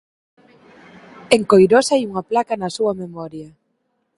En Coirós hai unha placa na súa memoria.